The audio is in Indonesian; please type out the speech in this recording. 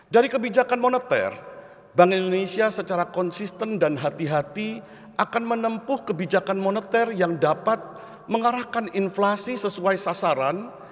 dari kebijakan moneter bank indonesia secara konsisten dan hati hati akan menempuh kebijakan moneter yang dapat mengarahkan inflasi sesuai sasaran